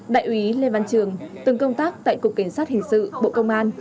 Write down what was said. đại úy lê văn trường từng công tác tại cục cảnh sát hình sự bộ công an